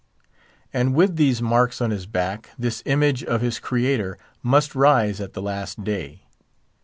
And with these marks on his back, this image of his Creator must rise at the Last Day.